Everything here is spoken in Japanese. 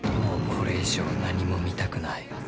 これ以上何も見たくない。